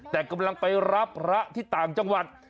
แต่กำลังไปรับพระที่ต่างจังหวัด